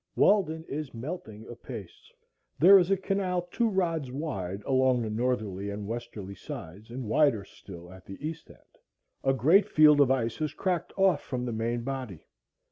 Walden is melting apace. There is a canal two rods wide along the northerly and westerly sides, and wider still at the east end. A great field of ice has cracked off from the main body.